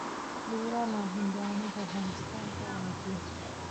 د ایران هندواڼې افغانستان ته راځي.